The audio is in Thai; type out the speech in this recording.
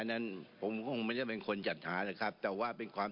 นั้นผมก็คงไม่ใช่เป็นคนจัดหานะครับแต่ว่าเป็นความ